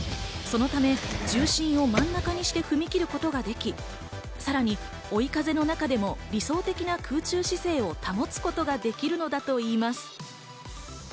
そのため、重心を真ん中にして踏み切ることができ、さらに追い風の中でも理想的な空中姿勢を保つことができるのだといいます。